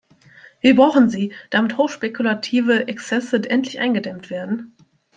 Wir brauchen sie, damit hochspekulative Exzesse endlich eingedämmt werden.